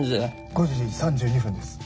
５時３２分です。